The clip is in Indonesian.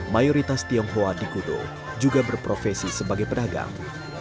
mayoritas tionghoa di kudo juga berprofesi sebagai pedagang